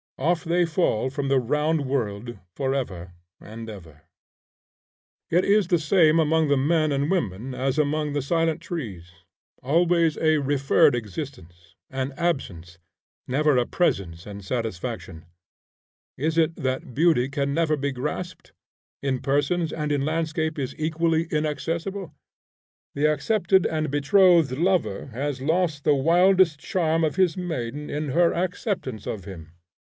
Off they fall from the round world forever and ever. It is the same among the men and women as among the silent trees; always a referred existence, an absence, never a presence and satisfaction. Is it that beauty can never be grasped? in persons and in landscape is equally inaccessible? The accepted and betrothed lover has lost the wildest charm of his maiden in her acceptance of him.